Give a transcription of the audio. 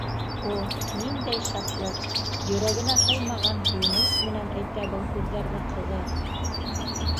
О, ниндәй шатлыҡ, йөрәгенә һыймаған һөйөнөс менән әйтә был һүҙҙәрҙе ҡыҙы.